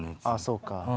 ああそうか。